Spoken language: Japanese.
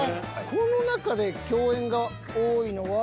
この中で共演が多いのは。